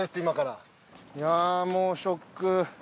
いやもうショック。